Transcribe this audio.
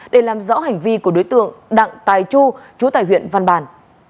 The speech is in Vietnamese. để làm rõ hành vi của đối tượng đặng tài chu chú tài huyện văn bàn